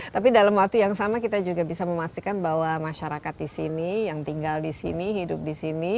tapi dalam waktu yang sama kita juga bisa memastikan bahwa masyarakat di sini yang tinggal di sini hidup di sini